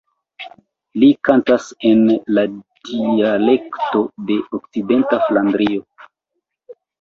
Li kantas en la dialekto de Okcidenta Flandrio.